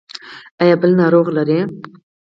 ایا بل ناروغ لرئ؟